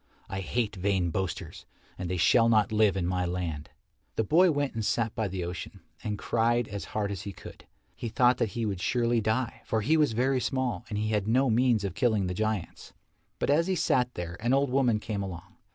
I hate vain boasters, and they shall not live in my land." The boy went and sat by the ocean, and cried as hard as he could. He thought that he would surely die, for he was very small and he had no means of killing the giants. But as he sat there an old woman came along.